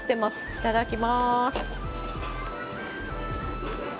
いただきます。